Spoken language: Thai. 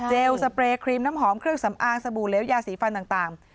สเปรย์ครีมน้ำหอมเครื่องสำอางสบู่เลวยาสีฟันต่าง